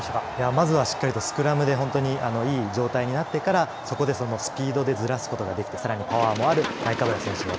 まずはしっかりとスクラムでいい状態になってからそこでスピードでずらすことができてさらにパワーもあるナイカブラ選手。